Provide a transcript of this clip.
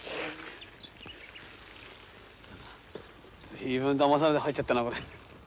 随分だまされて入っちゃったなこれ。